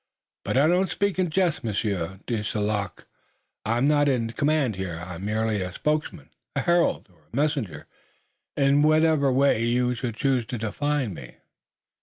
"But I don't speak in jest, Monsieur de St. Luc. I'm not in command here. I'm merely a spokesman a herald or a messenger, in whichever way you should choose to define me.